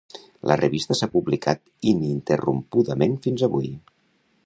La revista s'ha publicat ininterrompudament fins avui.